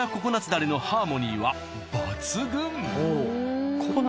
だれのハーモニーは抜群！